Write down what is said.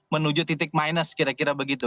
menuju titik minus kira kira begitu